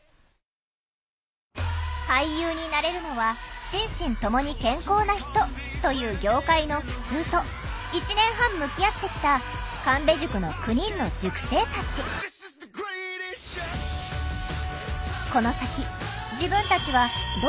「俳優になれるのは心身ともに健康な人」という業界のふつうと１年半向き合ってきた神戸塾の９人の塾生たちこの先